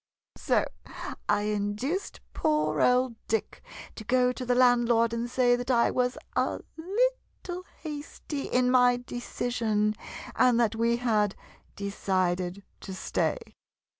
So I induced poor old Dick to go to the landlord and say that I was a little hasty in my decision, and that we had decided to stay.